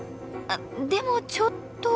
でもちょっと。